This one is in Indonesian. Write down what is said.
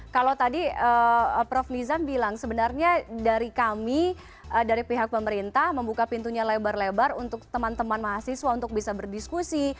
kalau tadi prof nizam bilang sebenarnya dari kami dari pihak pemerintah membuka pintunya lebar lebar untuk teman teman mahasiswa untuk bisa berdiskusi